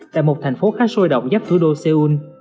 tại một thành phố khá sôi động giáp thủ đô seoul